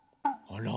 あら！